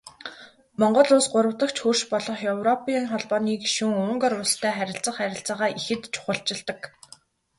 Монгол Улс гуравдагч хөрш болох Европын Холбооны гишүүн Унгар улстай харилцах харилцаагаа ихэд чухалчилдаг.